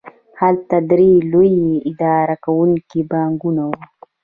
هلته درې لوی اداره کوونکي بانکونه وو